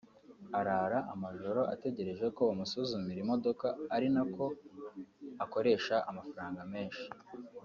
arara amajoro ategereje ko bamusuzumira imodoka ari nako akoresha amafaranga menshi